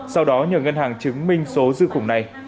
sau đó nhờ ngân hàng chứng minh số dư khủng này